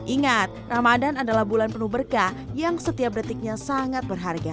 ingat ramadan adalah bulan penuh berkah yang setiap detiknya sangat berharga